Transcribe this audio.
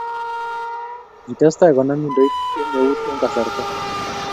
Kitestai konam nyundoit eng eut eng kasarta